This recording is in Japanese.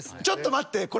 ちょっと待って。